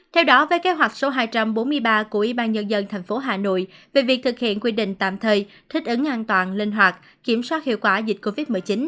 theo đó với kế hoạch số hai trăm bốn mươi ba của ủy ban nhân dân tp hà nội về việc thực hiện quy định tạm thời thích ứng an toàn linh hoạt kiểm soát hiệu quả dịch covid một mươi chín